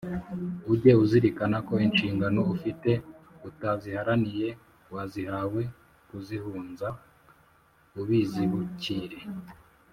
Ujye uzirikana ko inshingano ufite Utaziharaniye wazihawe Kuzihunza ubizibukire.